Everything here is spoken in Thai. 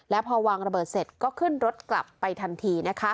และพอวางระเบิดเสร็จก็ขึ้นรถกลับไปทันที